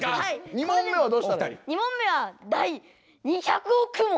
２問目は「第２００億問！」